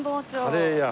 カレー屋？